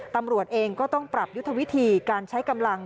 ตำรวจเองก็ต้องปรับยุทธวิธีการใช้กำลัง